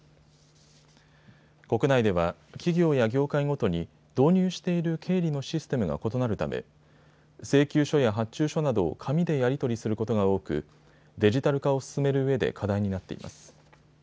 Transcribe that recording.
国内では企業や業界ごとに導入している経理のシステムが異なるため請求書や発注書などを紙でやり取りすることが多くデジタル化を進めるうえで課題になっています。